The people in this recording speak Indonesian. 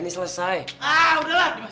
nanti setelah acara ini selesai